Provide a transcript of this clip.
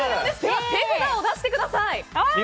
手札を出してください。